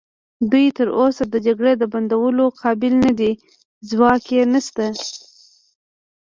دوی تراوسه د جګړې د بندولو قابل نه دي، ځواک یې نشته.